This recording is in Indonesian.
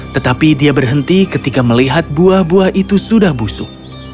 tetapi dia berhenti ketika melihat buah buah itu sudah busuk